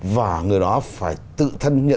và người đó phải tự thân nhận